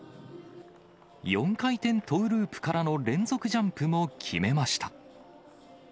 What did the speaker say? ４回転トーループからの連続ジャンプも決めました。